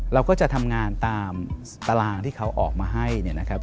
เราก็จะทำงานตามตารางที่เขาออกมาให้เนี่ยนะครับ